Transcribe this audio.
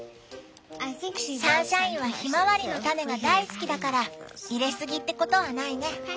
サンシャインはひまわりの種が大好きだから入れすぎってことはないね。